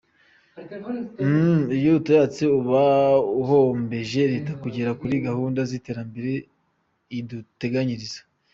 Iyo utayatse uba uhombeje leta kugera kuri gahunda z’iterambere iduteganyiriza.